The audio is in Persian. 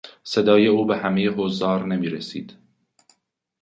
صدای او به همهی حضار نمیرسید.